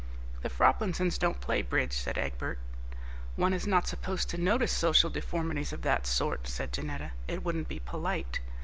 "The Froplinsons don't play bridge," said Egbert. "One is not supposed to notice social deformities of that sort," said Janetta; "it wouldn't be polite.